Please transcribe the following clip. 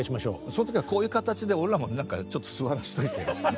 その時はこういう形で俺らもなんかちょっと座らしといてね。